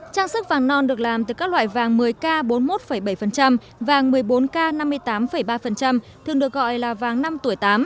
trang sức vàng non được làm từ các loại vàng một mươi k bốn mươi một bảy vàng một mươi bốn k năm mươi tám ba thường được gọi là vàng năm tuổi tám